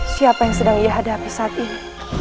siapa yang sedang ia hadapi saat ini